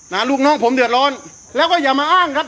ลูกน้องผมเดือดร้อนแล้วก็อย่ามาอ้างครับ